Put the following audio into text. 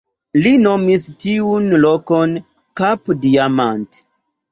Li nomis tiun lokon "Cap-Diamant".